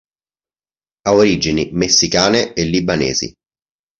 Ha origini messicane e libanesi.